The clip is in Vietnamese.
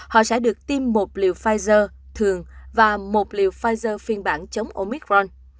họ sẽ được tiêm một liều pfizer thường và một liều pfizer phiên bản chống oicron